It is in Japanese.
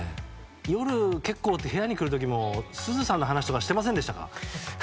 夜、結構部屋に来る時もすずさんの話とかしてませんでしたか？